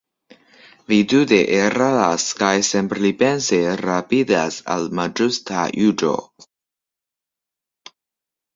Vi tute eraras kaj senpripense rapidas al malĝusta juĝo.